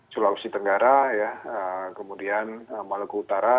sulawesi tenggara kemudian maluku utara